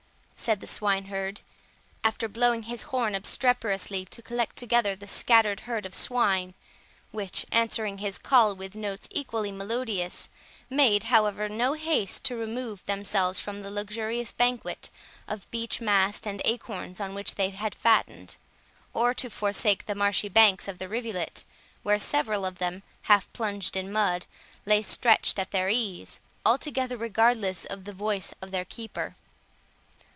said the swine herd, after blowing his horn obstreperously, to collect together the scattered herd of swine, which, answering his call with notes equally melodious, made, however, no haste to remove themselves from the luxurious banquet of beech mast and acorns on which they had fattened, or to forsake the marshy banks of the rivulet, where several of them, half plunged in mud, lay stretched at their ease, altogether regardless of the voice of their keeper.